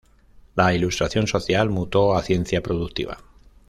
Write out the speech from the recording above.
La Ilustración social mutó a ciencia productiva.